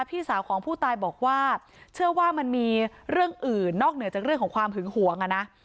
พี่สาวของผู้ตายบอกว่าเชื่อว่ามันมีเรื่องอื่นนอกเหนือจากเรื่องของความหึงหวงอ่ะนะ